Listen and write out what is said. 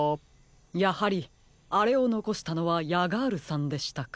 やはりあれをのこしたのはヤガールさんでしたか。